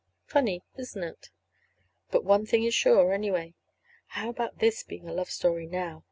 Funny, isn't it? But one thing is sure, anyway. How about this being a love story now?